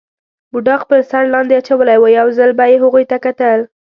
بوډا خپل سر لاندې اچولی وو، یو ځل به یې هغوی ته کتل.